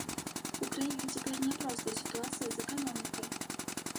У краіне цяпер няпростая сітуацыя з эканомікай.